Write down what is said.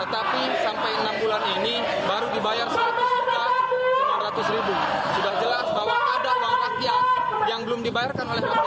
sudah jelas bahwa ada wakil rakyat yang belum dibayarkan oleh wakil rakyat